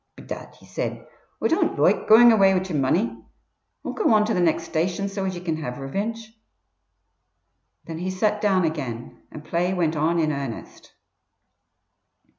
"Bedad," he said, "Oi don't loike goin' away wid yer money. Oi'll go on to the next station so as ye can have revinge." Then he sat down again, and play went on in earnest.